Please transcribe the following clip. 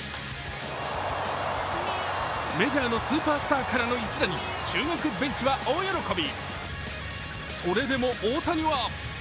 メジャーのスーパースターからの一打に中国ベンチは大喜び。